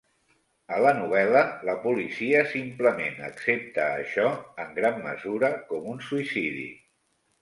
A la novel·la la policia simplement accepta això, en gran mesura, com un suïcidi.